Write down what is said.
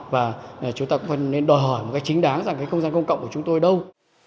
và chúng ta cũng phải nên đòi hỏi một cách chính đáng rằng cái không gian công cộng của chúng tôi đâu